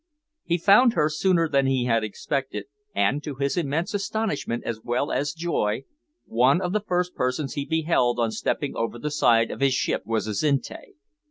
He found her sooner than he had expected; and, to his immense astonishment as well as joy, one of the first persons he beheld on stepping over the side of his ship was Azinte.